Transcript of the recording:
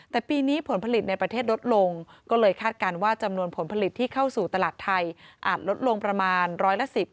แต่ปีนี้ผลผลิตในประเทศลดลงก็เลยคาดการณ์ว่าจำนวนผลผลิตที่เข้าสู่ตลาดไทยอาจลดลงประมาณร้อยละ๑๐